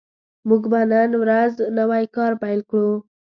موږ به نن ورځ نوی کار پیل کړو